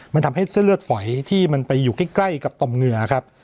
มันทำให้เส้นเลือดฝอยที่มันไปอยู่ใกล้กับต่อมเหงื่อครับ